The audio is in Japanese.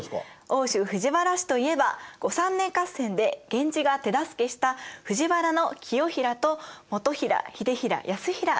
奥州藤原氏といえば後三年合戦で源氏が手助けした藤原清衡と基衡秀衡泰衡ですよね。